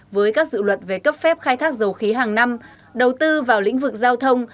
với các dự luật về cấp phép khai thác dầu khí hàng năm đầu tư vào lĩnh vực giao thông